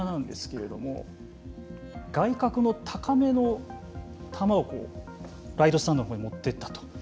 外角の高めの球をライトスタンドのほうに持っていったと。